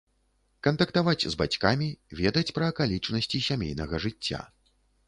Кантактаваць з бацькамі, ведаць пра акалічнасці сямейнага жыцця.